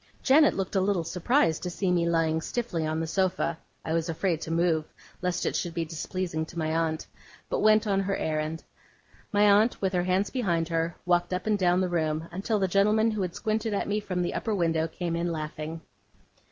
Janet looked a little surprised to see me lying stiffly on the sofa (I was afraid to move lest it should be displeasing to my aunt), but went on her errand. My aunt, with her hands behind her, walked up and down the room, until the gentleman who had squinted at me from the upper window came in laughing.